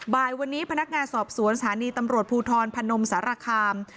บ่ายวันนี้พนักงานสอบสวนสถานีตำรวจภูทรพนมสารคาม